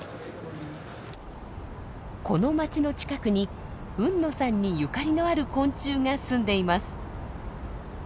この町の近くに海野さんにゆかりのある昆虫が住んでいます。